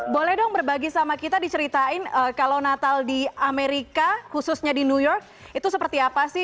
boleh dong berbagi sama kita diceritain kalau natal di amerika khususnya di new york itu seperti apa sih